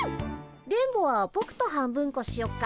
電ボはぼくと半分こしよっか。